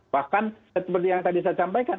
bahkan seperti yang tadi saya sampaikan